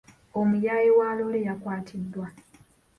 Omuyaaye wa loole yakwatiddwa.